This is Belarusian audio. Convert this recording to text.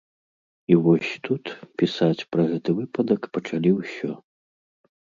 І вось тут пісаць пра гэты выпадак пачалі ўсё.